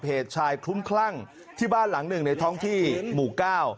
เหตุชายคลุ้มคลั่งที่บ้านหลังหนึ่งในท้องที่หมู่เก้า